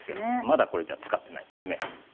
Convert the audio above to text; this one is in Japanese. まだこれじゃつかってないですね。